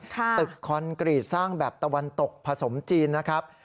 ตึกคอนกรีตสร้างแบบตะวันตกผสมจีนนะครับ